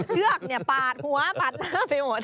เชือกปาดหัวสับไปหมด